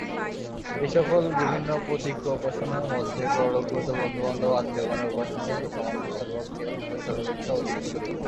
এই-সকল বিভিন্ন প্রতীকোপাসনার মধ্যে পরলোকগত বন্ধুবান্ধব আত্মীয়গণের উপাসনাই সমাজে সর্বাপেক্ষা অধিক প্রচলিত।